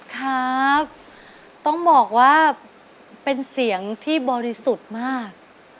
ครับต้องบอกว่าเป็นเสียงที่บริสุทธิ์มาก